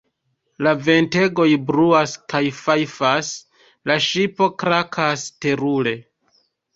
La ventegoj bruas kaj fajfas, la ŝipo krakas terure.